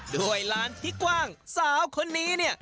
ด้วยลานที่กว้างสาวคนนี้